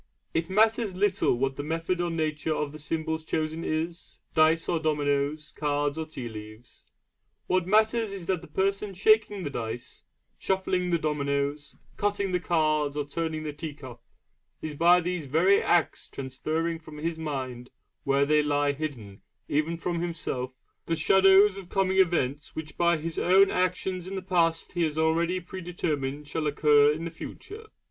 It matters little what the method or nature of the symbols chosen is dice or dominoes, cards or tea leaves. What matters is that the person shaking the dice, shuffling the dominoes, cutting the cards or turning the tea cup, is by these very acts transferring from his mind where they lie hidden even from himself the shadows of coming events which by his own actions in the past he has already predetermined shall occur in the future.